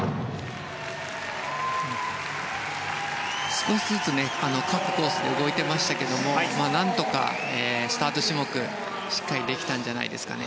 少しずつ各コースで動いていましたが何とかスタート種目、しっかりできたんじゃないですかね。